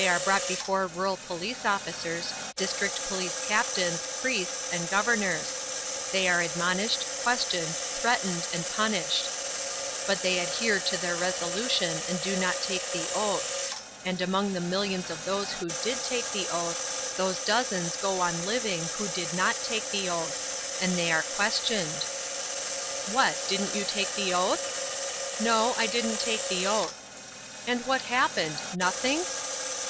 They are brought before rural police officers, district police captains, priests, and governors. They are admonished, questioned, threatened, and punished; but they adhere to their resolution, and do not take the oath. And among the millions of those who did take the oath, those dozens go on living who did not take the oath. And they are questioned: "What, didn't you take the oath?" "No, I didn't take the oath." "And what happened nothing?"